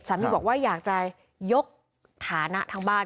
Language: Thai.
บอกว่าอยากจะยกฐานะทางบ้าน